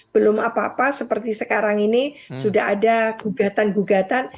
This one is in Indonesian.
belum apa apa seperti sekarang ini sudah ada gugatan gugatan